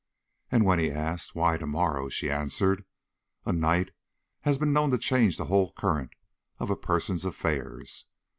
And when he asked: 'Why to morrow?' she answered: 'A night has been known to change the whole current of a person's affairs.'